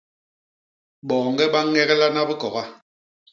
Boñge ba ñeglana bikoga.